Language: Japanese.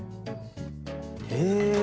へえ。